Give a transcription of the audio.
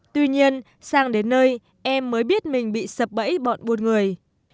tuy nhiên sang đến nơi em mới biết mình bị sập bẫy bọn buôn người